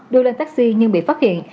đưa lên taxi nhưng bị phát hiện